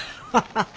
ハハハハ。